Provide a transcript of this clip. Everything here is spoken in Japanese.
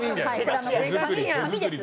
紙です。